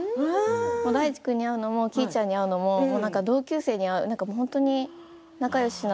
大地君に会うのもきいちゃんに会うのも同級生に会うような